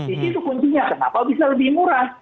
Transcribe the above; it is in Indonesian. itu kuncinya kenapa bisa lebih murah